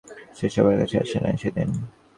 সে বাবার কাছে আসে নাই সেদিন।